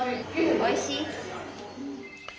おいしい？